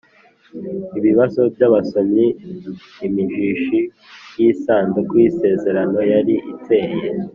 Ibibazo by abasomyi Imijishi y isanduku y isezerano yari iteye